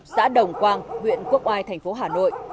xã đồng quang huyện quốc oai thành phố hà nội